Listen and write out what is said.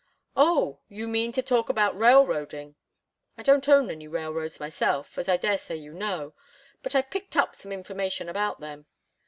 "Oh! You mean to talk about railroading. I don't own any railroads myself, as I daresay you know, but I've picked up some information about them.